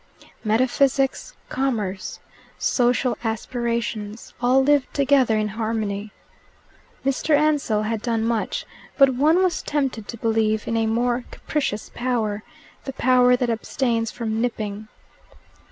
Metaphysics, commerce, social aspirations all lived together in harmony. Mr. Ansell had done much, but one was tempted to believe in a more capricious power the power that abstains from "nipping."